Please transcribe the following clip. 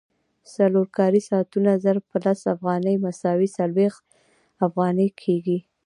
څلور کاري ساعتونه ضرب په لس افغانۍ مساوي څلوېښت افغانۍ کېږي